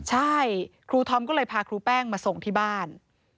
ใช่ครูธอมก็เลยพาครูแป้งมาส่งที่บ้าน